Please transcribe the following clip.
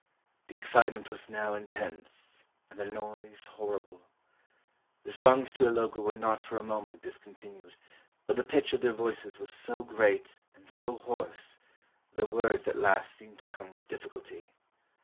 The excitement was now intense, and the noise hor rible. The songs to Ilogo were not for a moment discon tinued, but the pitch of their voices was so great and so hoarse that the words at last seemed to come with diffi culty.